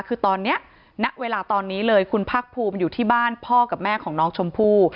คือตอนนี้ณเวลาตอนนี้เลยคุณภาคภูมิอยู่ที่บ้านพ่อกับแม่ของน้องชมพู่